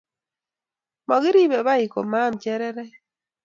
Mokiribei bai komaam cherere